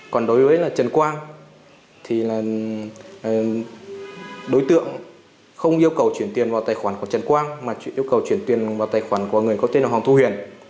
còn đối với trần quang đối tượng không yêu cầu chuyển tiền vào tài khoản của trần quang mà yêu cầu chuyển tiền vào tài khoản của người có tên hoàng thu huyền